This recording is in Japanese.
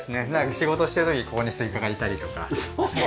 仕事してる時にここにすいかがいたりとか。